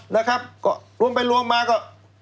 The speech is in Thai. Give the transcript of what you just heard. นะครับก็รวมไปรวมมาก็